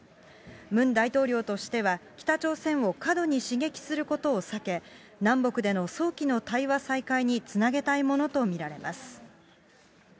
ムン大統領としては、北朝鮮を過度に刺激することを避け、南北での早期の対話再開につなげたいものと見られます。